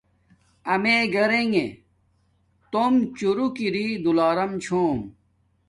امیے گورنݣ توم چوروک اری دولارم چھوم